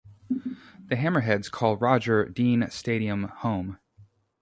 The Hammerheads call Roger Dean Stadium home.